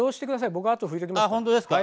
僕あと拭いておきますから。